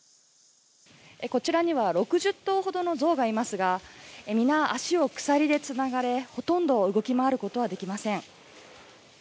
こちらには、６０頭ほどの象がいますが、皆、足を鎖でつながれ、ほとんど動き回ることはできません。